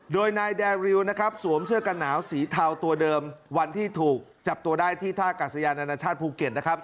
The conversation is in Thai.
โดยนายแดริวนะครับสวมเสื้อกันหนาวสีเทาตัวเดิมวันที่ถูกจับตัวได้ที่ท่ากาศยานานาชาติภูเก็ตนะครับ